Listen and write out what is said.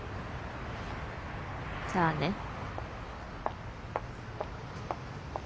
じゃあね。